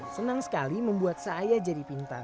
senang sekali membuat saya jadi pintar